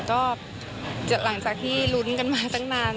ก็หลังจากที่ลุ้นกันมาตั้งนาน